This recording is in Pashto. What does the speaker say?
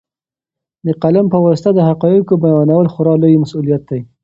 د قلم په واسطه د حقایقو بیانول خورا لوی مسوولیت دی.